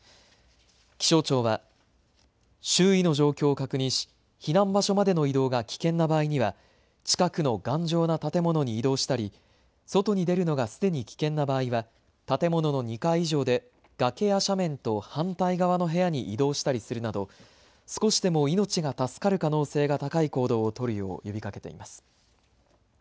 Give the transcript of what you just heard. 気象庁は周囲の状況を確認し避難場所までの移動が危険な場合には近くの頑丈な建物に移動したり外に出るのがすでに危険な場合は建物の２階以上で崖や斜面と反対側の部屋に移動したりするなど、少しでも命が助かる可能性が高い行動を取るよう呼びかけています。